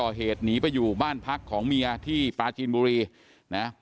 ก็เหตุหนีไปอยู่บ้านพักของเมียที่ปะกินบุรีนะ